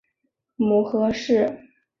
母何氏。